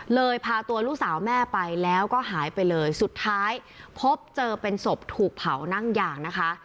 พาตัวลูกสาวแม่ไปแล้วก็หายไปเลยสุดท้ายพบเจอเป็นศพถูกเผานั่งยางนะคะ